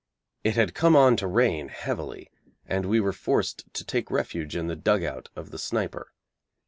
It had come on to rain heavily, and we were forced to take refuge in the dugout of the sniper.